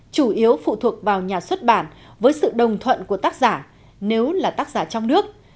chủ yếu phụ thuộc vào nhà xuất bản với sự đồng thuận của tác giả nếu là tác giả trong nước